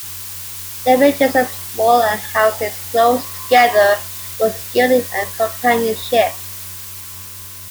Their villages are small and houses, close together, for security and companionship.